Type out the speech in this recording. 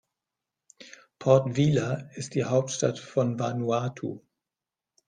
Port Vila ist die Hauptstadt von Vanuatu.